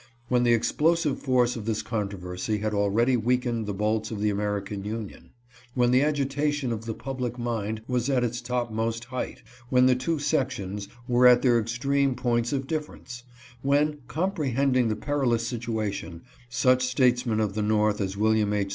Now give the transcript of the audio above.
When the explosive force of this controversy had already weak ened the bolts of the American Union ; when the agita tion of the public mind was at its topmost height ; when the two sections were at their extreme points of differ ence ; when, comprehending the perilous situation, such statesmen of the North as William H.